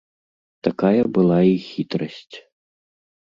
Такая была і хітрасць.